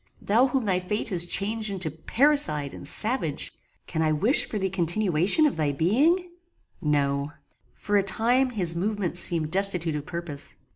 Thou whom thy fate has changed into paricide and savage! Can I wish for the continuance of thy being? No. For a time his movements seemed destitute of purpose.